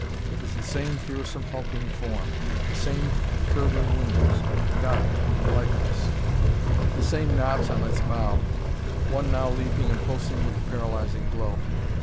It was the same fearsome, hulking form. The same curving windows, dark and lifeless. The same knobs on its bow, one now leaping and pulsing with the paralyzing glow.